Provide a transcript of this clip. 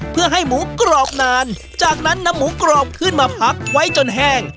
เพื่อให้หมูกรอบนานจากนั้นนำหมูกรอบขึ้นมาพักไว้จนแห้ง